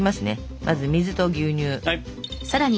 まず水と牛乳。